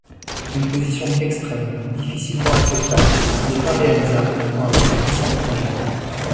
Une position extrême, difficilement acceptable, qui n'est pas réalisable pour un ressortissant étranger.